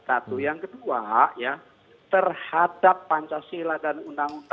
satu yang kedua ya terhadap pancasila dan undang undang rasara empat puluh lima